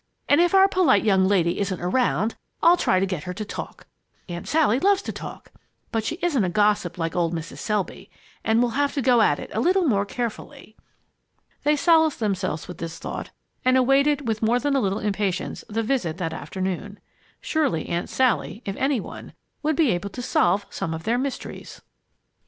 And if our polite young lady isn't around, I'll try and get her to talk. Aunt Sally loves to talk, but she isn't a gossip like old Mrs. Selby, and we'll have to go at it a little more carefully." They solaced themselves with this thought, and awaited with more than a little impatience the visit that afternoon. Surely Aunt Sally, if any one, would be able to solve some of their mysteries!